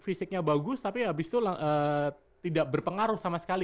fisiknya bagus tapi habis itu tidak berpengaruh sama sekali